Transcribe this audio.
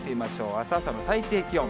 あす朝の最低気温。